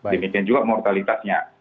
demikian juga mortalitasnya